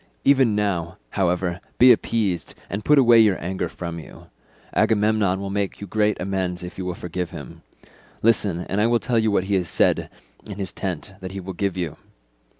Even now, however, be appeased, and put away your anger from you. Agamemnon will make you great amends if you will forgive him; listen, and I will tell you what he has said in his tent that he will give you.